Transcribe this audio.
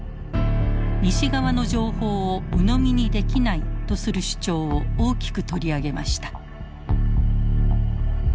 西側の情報をうのみにできないとする主張を大きく取り上げました。